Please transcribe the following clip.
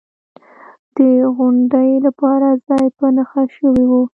د غونډې لپاره ځای په نښه شوی و.